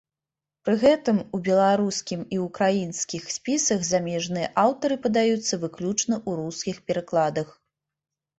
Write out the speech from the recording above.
Пры гэтым, у беларускім і ўкраінскім спісах замежныя аўтары падаюцца выключна ў рускіх перакладах.